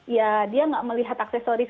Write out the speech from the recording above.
ya dia nggak melihat aksesoris